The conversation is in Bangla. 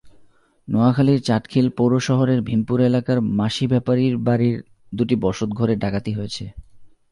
নোয়াখালীর চাটখিল পৌর শহরের ভিমপুর এলাকার মাসি ব্যাপারীর বাড়ির দুটি বসতঘরে ডাকাতি হয়েছে।